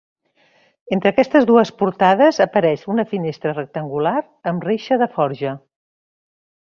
Entre aquestes dues portades apareix una finestra rectangular amb reixa de forja.